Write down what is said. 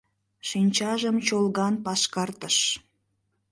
— Шинчажым чолган пашкартыш.